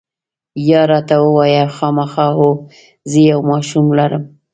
یا، راته ووایه، خامخا؟ هو، زه یو ماشوم لرم.